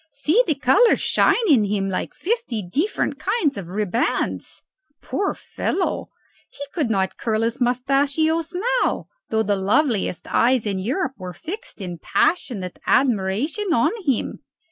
See, the colours shine in him like fifty different kinds of ribbands. Poor fellow! he could not curl his moustachios now, though the loveliest eyes in Europe were fixed in passionate admiration on him.